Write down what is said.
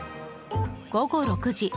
午後６時。